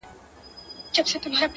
د ژوند خوارۍ كي يك تنها پرېږدې؛